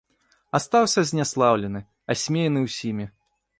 Астаўся зняслаўлены, асмеяны ўсімі.